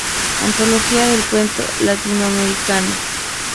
Antología del Cuento Latinoamericano.